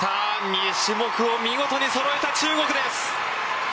２種目を見事にそろえた中国です！